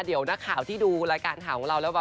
เดี๋ยวนักข่าวที่ดูรายการข่าวของเราแล้ว